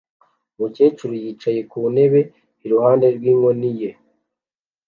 umukecuru yicaye ku ntebe iruhande rw'inkoni ye